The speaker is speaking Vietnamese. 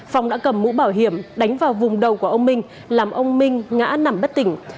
phong đã cầm mũ bảo hiểm đánh vào vùng đầu của ông minh làm ông minh ngã nằm bất tỉnh